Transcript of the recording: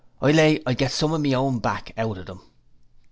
'I lay I'd get some a' me own back out of 'em.'